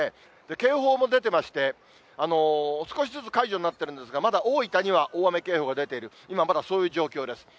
警報も出てまして、少しずつ解除になってるんですが、まだ大分には大雨警報が出ている、今まだそういう状況です。